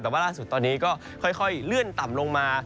แต่ว่าล่าสุดตอนนี้ก็ค่อยเลื่อนต่ำลงมา